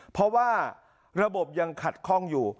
เพราะว่าระบบยังขัดข้องอยู่